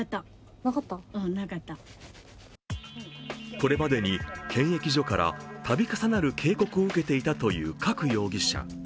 これまでに検疫所から度重なる警告を受けていたという郭容疑者。